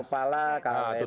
tutup kepala kalender